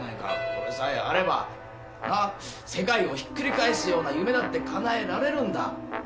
これさえあれば世界をひっくり返すような夢だってかなえられるんだ」